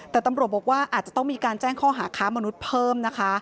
แต่ตำรวจบอกว่าอาจจะต้องมีการแจ้งข้อหาค้ามนุษย์เพิ่มนะคะ